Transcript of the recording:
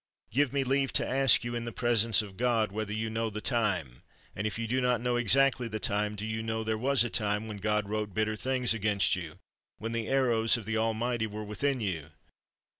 Give me leave to ask you, in the presence of God, whether you know the time, and if you do not know exactly the time, do you know there was a time when God wrote bitter things against you, when the arrows of the Almighty were within you